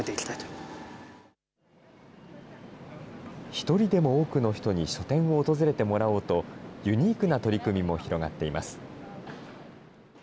１人でも多くの人に書店を訪れてもらおうと、ユニークな取り組みも広がっています。